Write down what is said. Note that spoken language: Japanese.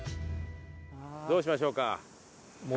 どうしましょうか？